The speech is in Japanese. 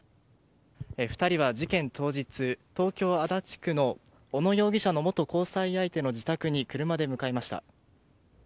２人は事件当日、東京・足立区の小野容疑者の元交際相手の自宅に車で向かいました。